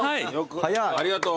ありがとう。